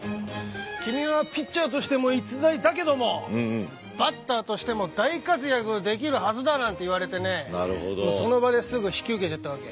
君はピッチャーとしても逸材だけどもバッターとしても大活躍できるはずだなんて言われてねその場ですぐ引き受けちゃったわけ。